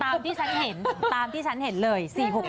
ที่ฉันเห็นตามที่ฉันเห็นเลย๔๖๖